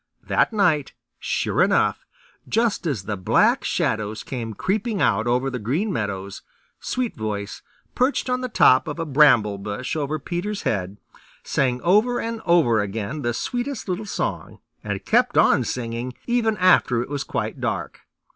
That night, sure enough, just as the Black Shadows came creeping out over the Green Meadows, Sweetvoice, perched on the top of a bramble bush over Peter's head, sang over and over again the sweetest little song and kept on singing even after it was quite dark.